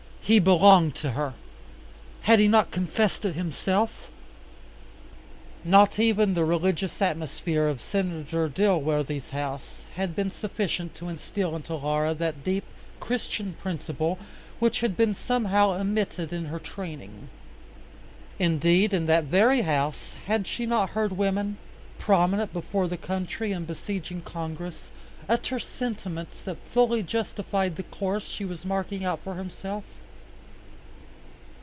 He belonged to her. Had he not confessed it himself? Not even the religious atmosphere of Senator Dilworthy's house had been sufficient to instill into Laura that deep Christian principle which had been somehow omitted in her training. Indeed in that very house had she not heard women, prominent before the country and besieging Congress, utter sentiments that fully justified the course she was marking out for herself.